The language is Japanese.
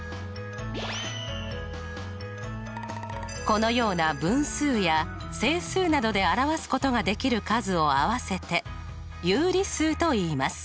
このような分数や整数などで表すことができる数を合わせて有理数といいます。